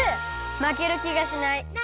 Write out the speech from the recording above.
まけるきがしない！